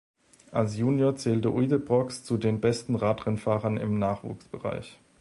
Als Junior zählte Uijtdebroeks zu den besten Radrennfahrern im Nachwuchsbereich.